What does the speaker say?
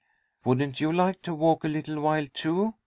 "Wouldn't you like to walk a little while, too?"